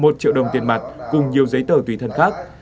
một triệu đồng tiền mặt cùng nhiều giấy tờ tùy thân khác